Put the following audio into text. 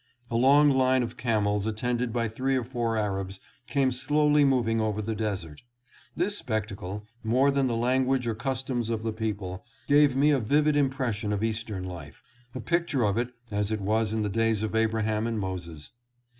A long line of camels attended by three or four Arabs came slowly moving over the desert. This spec tacle, more than the language or customs of the people, gave me a vivid impression of Eastern life ; a picture of it as it was in the days of Abraham and Moses.